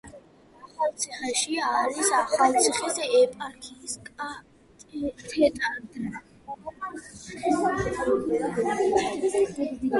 ახალციხეში არის ახალციხის ეპარქიის კათედრა.